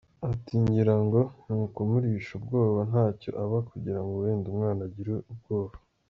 Ati “ ngirango ni ukumurisha ubwoba ntacyo aba kugirango wenda umwana agire ubwoba.